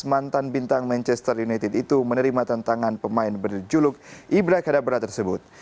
mantan bintang manchester united itu menerima tantangan pemain berjuluk ibrakadabra tersebut